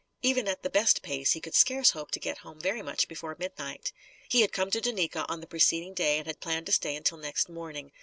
Even at the best pace he could scarce hope to get home very much before midnight. He had come to Duneka on the preceding day and had planned to stay until next morning.